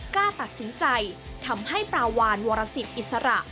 กล้าตัดสินใจทำให้ปลาวานวรสิทธิอิสระ